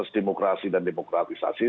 terus demokrasi dan demokrasisasi